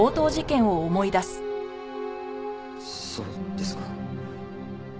そうですか。